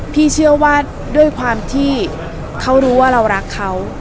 พี่เชื่อว่าด้วยความที่เขารู้ว่าเรารักเขา